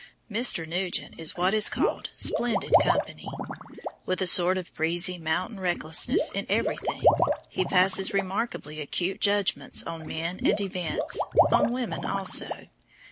Mr. Nugent is what is called "splendid company." With a sort of breezy mountain recklessness in everything, he passes remarkably acute judgments on men and events; on women also.